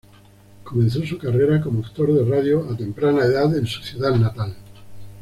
Comenzó su carrera como actor de radio a temprana edad en su ciudad natal.